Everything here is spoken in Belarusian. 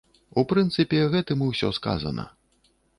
У прынцыпе, гэтым усё сказана.